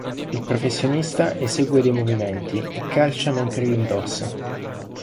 Il professionista esegue dei movimenti e calcia mentre li indossa.